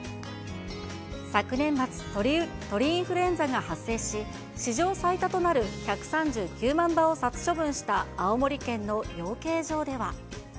昨年末、鳥インフルエンザが発生し、史上最多となる１３９万羽を殺処分した青森県の養鶏場では。